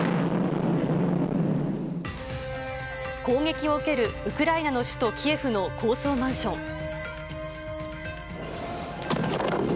攻撃を受ける、ウクライナの首都キエフの高層マンション。